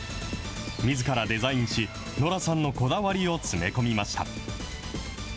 みずからデザインし、ノラさんのこだわりを詰め込みました。